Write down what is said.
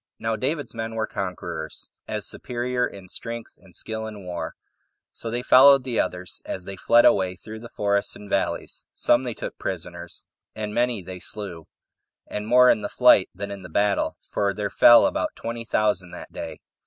Now David's men were conquerors, as superior in strength and skill in war; so they followed the others as they fled away through the forests and valleys; some they took prisoners, and many they slew, and more in the flight than in the battle for there fell about twenty thousand that day.